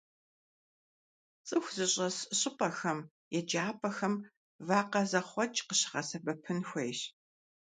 ЦӀыху зыщӀэс щӀыпӀэхэм, еджапӀэхэм вакъэ зэхъуэкӀ къыщыгъэсэбэпын хуейщ.